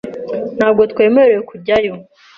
Ntabwo twemerewe kujyayo .